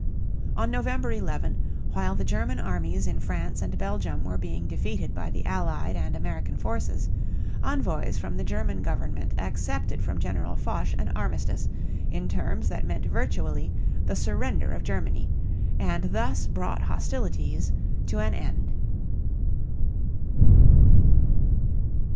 On November 11, while the German armies in France and Belgium were being defeated by the Allied and American forces, envoys from the German government accepted from General Foch an armistice in terms that meant virtually the surrender of Germany, and thus brought hostilities to an end.